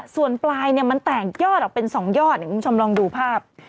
ส่วนปลายเนี่ยมันแตกยอดออกเป็น๒ยอดคุณผู้ชมลองดูภาพ